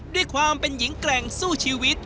ด้วยความเป็นหญิงแกร่งสู้ชีวิต